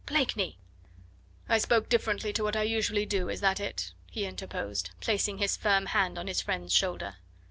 "Blakeney !" "I spoke differently to what I usually do, is that it?" he interposed, placing his firm hand on his friend's shoulder.